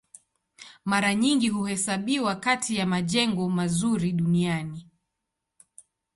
Mara nyingi huhesabiwa kati ya majengo mazuri duniani.